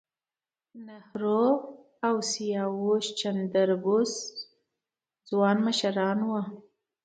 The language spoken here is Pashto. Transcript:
نهرو او سبهاش چندر بوس ځوان مشران وو.